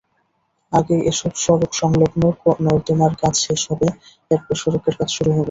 আগে এসব সড়ক-সংলগ্ন নর্দমার কাজ শেষ হবে, এরপর সড়কের কাজ শুরু হবে।